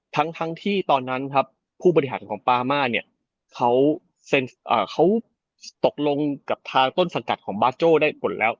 ทั้งที่ตอนนั้นครับผู้บริหารของปามาเนี่ยเขาตกลงกับทางต้นสังกัดของบาโจ้ได้หมดแล้ว